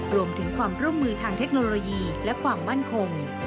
รวมถึงความร่วมมือทางเทคโนโลยีและความมั่นคง